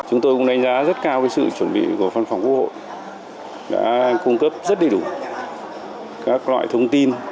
chúng tôi cũng đánh giá rất cao sự chuẩn bị của văn phòng quốc hội đã cung cấp rất đầy đủ các loại thông tin